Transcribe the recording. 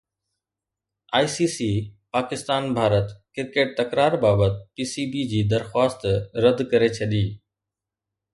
I C C پاڪستان-ڀارت cricket تڪرار بابت P سي بي جي درخواست رد ڪري ڇڏي